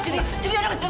biar aku jelasin sama kamu